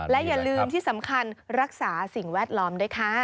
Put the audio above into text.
และอย่าลืมที่สำคัญรักษาสิ่งแวดล้อมด้วยค่ะ